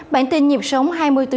bản tin nhịp sống hai mươi bốn h bảy